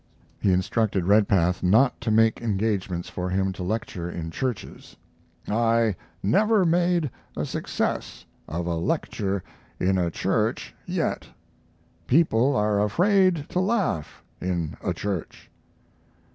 He instructed Redpath not to make engagements for him to lecture in churches. "I never made a success of a lecture in a church yet. People are afraid to laugh in a church."